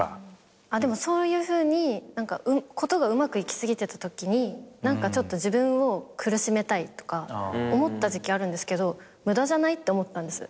でもそういうふうに事がうまくいき過ぎてたときにちょっと自分を苦しめたいとか思った時期あるんですけど無駄じゃない？って思ったんです。